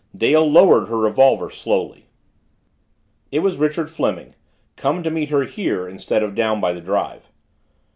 Dale lowered her revolver slowly. It was Richard Fleming come to meet her here, instead of down by the drive.